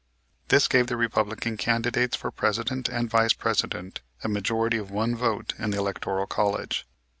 This gave the Republican candidates for President and Vice President a majority of one vote in the Electoral College.